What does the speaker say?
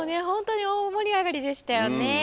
ホントに大盛り上がりでしたよね。